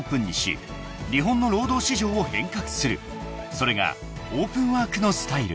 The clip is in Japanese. ［それがオープンワークのスタイル］